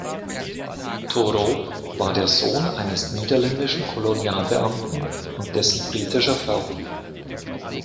Toorop war der Sohn eines niederländischen Kolonialbeamten und dessen britischer Frau.